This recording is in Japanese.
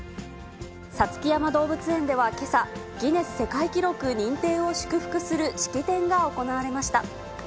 五月山動物園では、けさ、ギネス世界記録認定を祝福する式典が行われました。